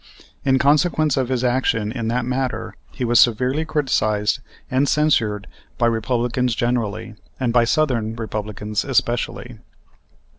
In consequence of his action in that matter he was severely criticised and censured by Republicans generally, and by Southern Republicans especially.